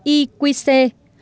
y quy xê